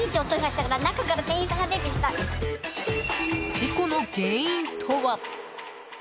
事故の原因とは。